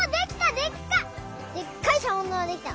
でっかいしゃぼんだまできた！